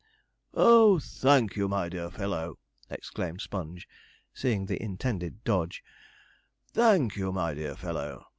'Oh, thank you, my dear fellow!' exclaimed Sponge, seeing the intended dodge; 'thank you, my dear fellow!'